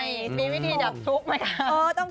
มีวิธีจับทุกข์ไหมคะ